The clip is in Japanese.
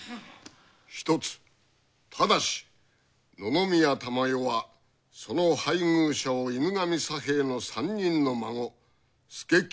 「ひとつただし野々宮珠世はその配偶者を犬神佐兵衛の３人の孫佐清